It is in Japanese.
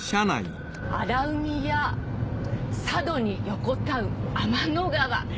「荒海や佐渡に横たう天の川」。